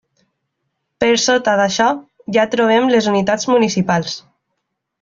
Per sota d'això, ja trobem les unitats municipals.